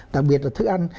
đặc biệt là thức ăn